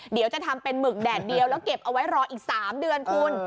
เดี๋ยวจะทำเป็นหมึกแดดเดียวแล้วเก็บเอาไว้รออีก๓เดือนคุณ